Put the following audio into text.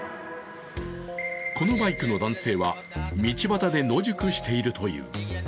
このバイクの男性は道端で野宿しているという。